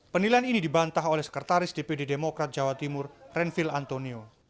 penilaian ini dibantah oleh sekretaris dpd demokrat jawa timur renvil antonio